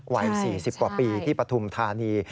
วัย๔๐กว่าปีที่ปฐุมธานี